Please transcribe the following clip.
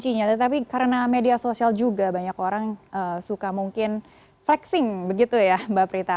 kuncinya tetapi karena media sosial juga banyak orang suka mungkin flexing begitu ya mbak prita